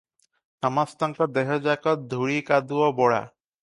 ସମସ୍ତଙ୍କ ଦେହଯାକ ଧୂଳି କାଦୁଅ ବୋଳା ।